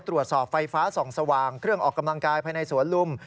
ตรวจสอบไฟฟ้าส่องสว่างเครื่องออกกำลังกายภายในสวนลุม